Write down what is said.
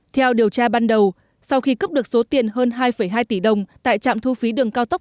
theo điều tra ban đầu sau khi cấp được số tiền hơn hai hai tỷ đồng tại trạm thu phí đường cao tốc